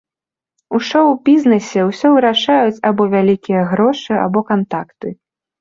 У шоў-бізнэсе ўсё вырашаюць або вялікія грошы, або кантакты.